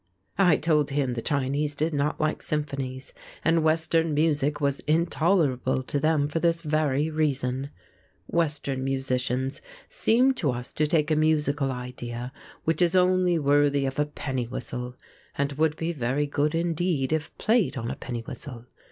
I told him the Chinese did not like symphonies, and Western music was intolerable to them for this very reason. Western musicians seem to us to take a musical idea which is only worthy of a penny whistle (and would be very good indeed if played on a penny whistle!)